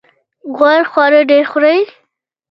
غوړ خواړه ډیر خورئ؟